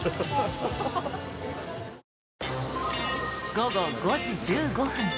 午後５時１５分。